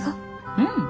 うん。